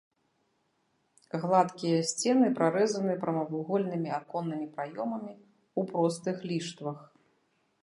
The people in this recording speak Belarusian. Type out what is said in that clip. Гладкія сцены прарэзаны прамавугольнымі аконнымі праёмамі ў простых ліштвах.